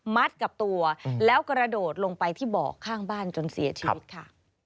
กับตัวแล้วกระโดดลงไปที่เบาะข้างบ้านจนเสียชีวิตค่ะ